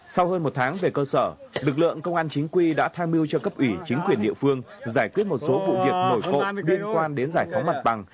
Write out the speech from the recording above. sau hơn một tháng về cơ sở lực lượng công an chính quy đã tham mưu cho cấp ủy chính quyền địa phương giải quyết một số vụ việc nổi cộng liên quan đến giải phóng mặt bằng